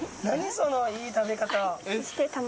そのいい食べ方。